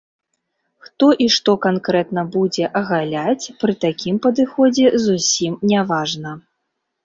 Хто і што канкрэтна будзе агаляць, пры такім падыходзе зусім не важна.